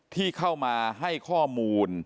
ที่เข้ามาให้ข้อมูล